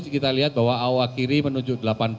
kita lihat bahwa awal kiri menuju delapan belas